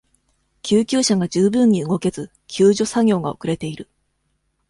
救急車が十分に動けず、救助作業が遅れている。